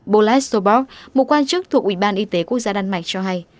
bolas sobor một quan chức thuộc ủy ban y tế quốc gia đan mạch cho hay